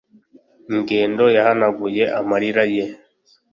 ingendo yahanaguye amarira ye